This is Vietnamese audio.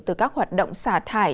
từ các hoạt động xả thải